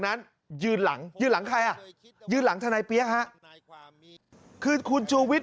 นั้นยืนหลังยืนหลังใครอ่ะยืนหลังทนายเปี๊ยะฮะคือคุณชูวิทย